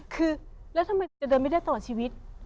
คือแล้วทำไมจะเดินไม่ได้ตลอดชีวิต